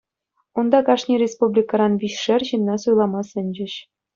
Унта кашни республикӑран виҫшер ҫынна суйлама сӗнчӗҫ.